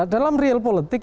dalam real politik